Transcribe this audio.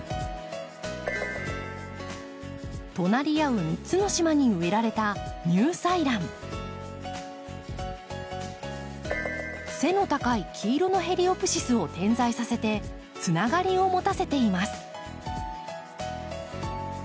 隣り合う３つの島に植えられた背の高い黄色のヘリオプシスを点在させてつながりを持たせています。